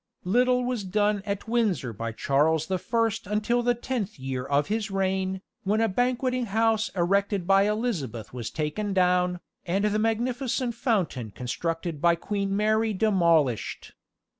Little was done at Windsor by Charles the First until the tenth year of his reign, when a banqueting house erected by Elizabeth was taken down, and the magnificent fountain constructed by Queen Mary demolished.